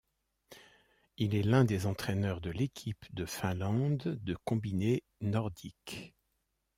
Il est l'un des entraîneurs de l'équipe de Finlande de combiné nordique.